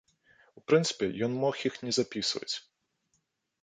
У прынцыпе, ён мог іх і не запісваць.